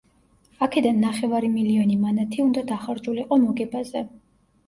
აქედან ნახევარი მილიონი მანათი უნდა დახარჯულიყო მოგებაზე.